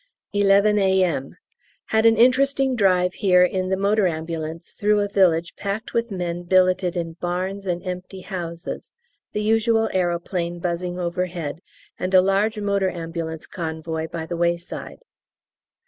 11 A.M. Had an interesting drive here in the M.A. through a village packed with men billeted in barns and empty houses the usual aeroplane buzzing overhead, and a large motor ambulance convoy by the wayside.